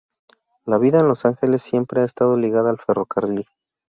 La vida en Los Ángeles siempre ha estado ligada al ferrocarril.